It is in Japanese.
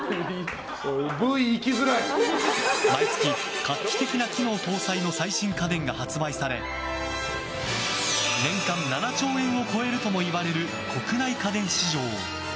毎月、画期的な機能搭載の最新家電が発売され年間７兆円を超えるともいわれる国内家電市場。